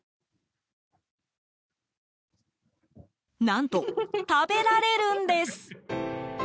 何と食べられるんです。